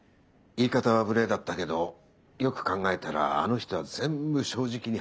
言い方は無礼だったけどよく考えたらあの人は全部正直に話してくれた。